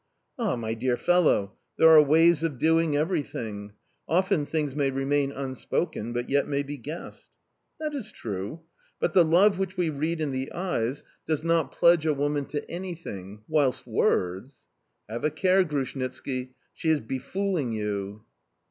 "Ah, my dear fellow! There are ways of doing everything; often things may remain unspoken, but yet may be guessed"... "That is true... But the love which we read in the eyes does not pledge a woman to anything, whilst words... Have a care, Grushnitski, she is befooling you!"